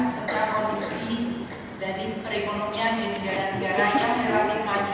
serta kondisi dari perekonomian di negara negara yang relatif maju